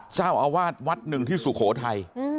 เจ้าอาวาสวัดหนึ่งที่สุโขทัย